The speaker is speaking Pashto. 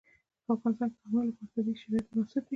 په افغانستان کې د قومونه لپاره طبیعي شرایط مناسب دي.